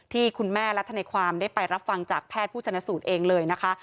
ที่คุณแม่และทนายความได้ไปรับฟังจากแพทย์ผู้ชนะสูตรเองเลยนะคะ